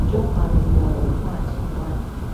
中華民國文化景觀